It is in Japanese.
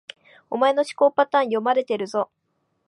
お前の思考パターン、読まれてるぞ